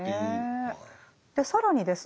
更にですね